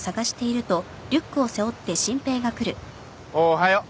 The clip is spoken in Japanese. おはよう。